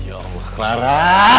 ya allah clara